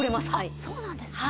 あっそうなんですね。